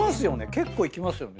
結構いきますよね